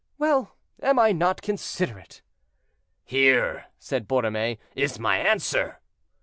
Well, am I not considerate?"—"Here," said Borromée, "is my answer."